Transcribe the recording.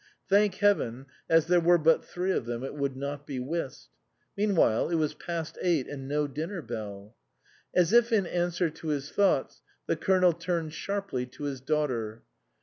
Thank heaven, as there were but three of them, it would not be whist. Meanwhile it was past eight and no dinner bell. As if in answer to his thoughts the Colonel turned sharply to his daughter.